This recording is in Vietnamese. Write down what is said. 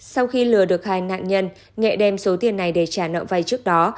sau khi lừa được hai nạn nhân nghệ đem số tiền này để trả nợ vay trước đó